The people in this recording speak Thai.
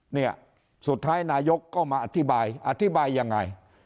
เนี่ยสุดท้ายนายกก็มาอธิบายอธิบายยังไง